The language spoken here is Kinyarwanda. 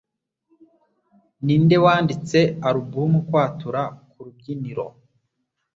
Ninde Wanditse Alubumu Kwatura Ku rubyiniro